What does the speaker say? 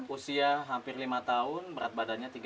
usia hampir lima tahun berat badannya tiga puluh